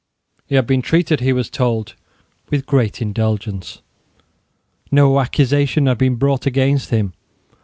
He had been treated, he was told, with great indulgence. No accusation had been brought against him.